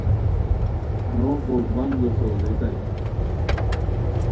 نوغ گوڑ بندو ساؤزیتائے